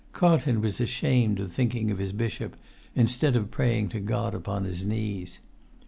Carlton was ashamed of thinking of his bishop instead of praying to God upon his knees.